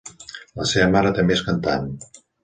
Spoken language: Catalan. La seva mare també és cantant.